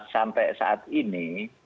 sampai saat ini